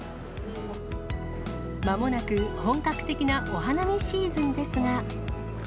まもなく本格的なお花見シーズンですが。